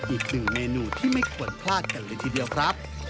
อีกหนึ่งเมนูที่ไม่ควรพลาดกันเลยทีเดียวครับ